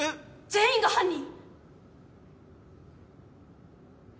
全員が犯人！？